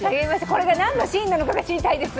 これが何のシーンなのかが知りたいです。